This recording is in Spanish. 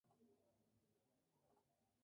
Allí, conoció a su futuro esposo, Robert Lopez.